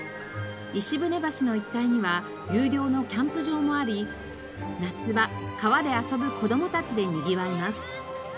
石舟橋の一帯には有料のキャンプ場もあり夏場川で遊ぶ子供たちでにぎわいます。